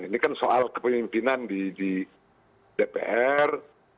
ini kan soal kepemimpinan di dpr